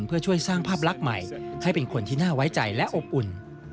เพื่อช่วยสร้างภาพลักษณ์ใหม่ให้เป็นคนที่น่าไว้ใจและอบอุ่น